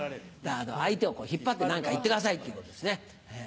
相手を引っ張って何か言ってくださいっていうことですね。